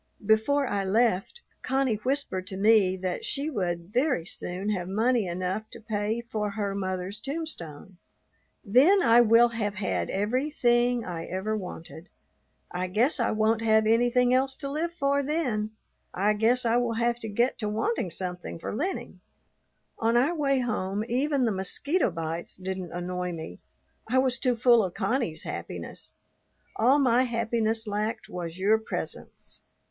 Before I left, Connie whispered to me that she would very soon have money enough to pay for her mother's tombstone. "Then I will have had everything I ever wanted. I guess I won't have anything else to live for then; I guess I will have to get to wanting something for Lennie." On our way home even the mosquito bites didn't annoy me; I was too full of Connie's happiness. All my happiness lacked was your presence.